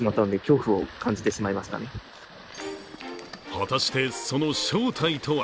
果たして、その正体とは